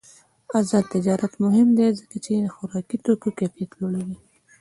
آزاد تجارت مهم دی ځکه چې د خوراکي توکو کیفیت لوړوي.